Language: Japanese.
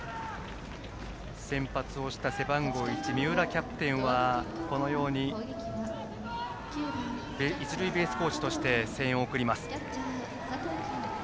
先発をした背番号１三浦キャプテンは一塁ベースコーチとして声援を送ります。